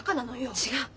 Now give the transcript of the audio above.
違う。